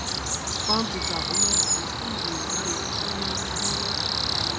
Սպան ծիծաղում է, նստում ձիու վրա և փախչում։